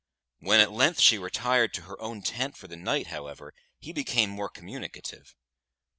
When at length she retired to her own tent for the night, however, he became more communicative.